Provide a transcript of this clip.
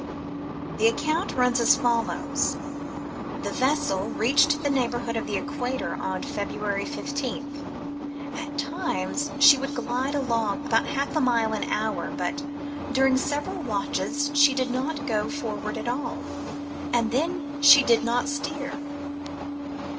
The account ran as follows :— the vessel reached the neigh bourhood of the Equator on February 15. At times she would glide along at about half a mile an hour, but during several watches she did not go forward at all, and "then she did not steer."